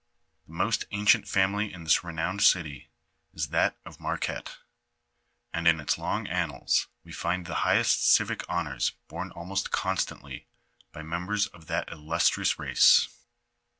The most ancient family in this renowned city, is that of Marquette, and in its long annals we find the highest civic honors borne almost constantly by members of that illustrious race.